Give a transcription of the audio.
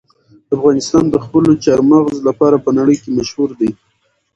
افغانستان د خپلو چار مغز لپاره په نړۍ کې مشهور دی.